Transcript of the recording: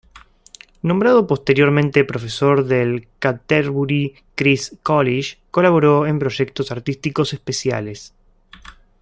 Nombrado posteriormente profesor del Canterbury Christ College, colaboró en proyectos artísticos especiales.